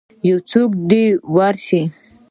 یوڅوک دی ورشئ